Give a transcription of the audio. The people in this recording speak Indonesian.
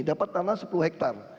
dapat tanah sepuluh hektar